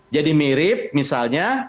jadi mirip misalnya